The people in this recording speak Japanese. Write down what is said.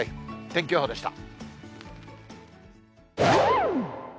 天気予報でした。